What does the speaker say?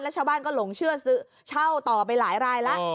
ชาวบ้านก็หลงเชื่อซื้อเช่าต่อไปหลายรายแล้ว